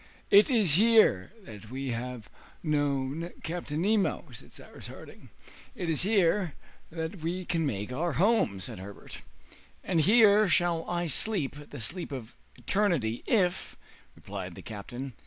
"It is here that we have known Captain Nemo," said Cyrus Harding. "It is here only that we can make our home!" added Herbert. "And here shall I sleep the sleep of eternity, if " replied the captain.